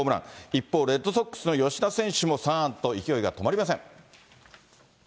一方、レッドソックスの吉田選手も３安打と勢いが止まりません。